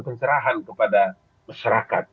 perserahan kepada masyarakat